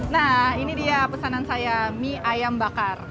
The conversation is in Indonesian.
nah ini dia pesanan saya mie ayam bakar